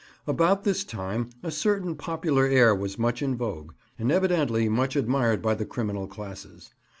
About this time a certain popular air was much in vogue, and evidently much admired by the criminal classes.